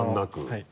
はい